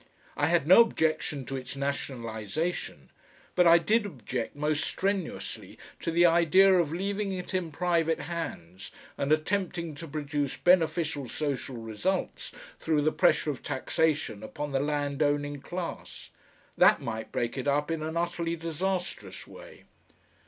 I had no objection to its nationalisation, but I did object most strenuously to the idea of leaving it in private hands, and attempting to produce beneficial social results through the pressure of taxation upon the land owning class. That might break it up in an utterly disastrous way.